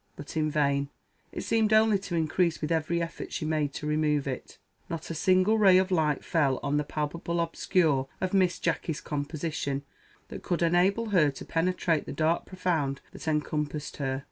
But in vain: it seemed only to increase with every effort she made to remove it. Not a single ray of light fell on the palpable obscure of Miss Jacky's composition, that could enable her to penetrate the dark profound that encompassed her.